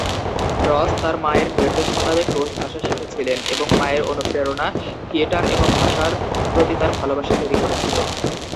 রস তার মায়ের নির্দেশ মোতাবেক রুশ ভাষা শিখেছিলেন, এবং মায়ের অনুপ্রেরণা থিয়েটার এবং ভাষার প্রতি তার ভালবাসা তৈরি করেছিল।